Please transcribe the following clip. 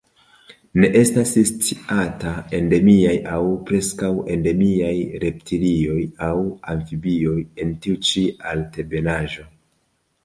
Ne estas sciataj endemiaj aŭ preskaŭ endemiaj reptilioj aŭ amfibioj en tiu ĉi altebenaĵo.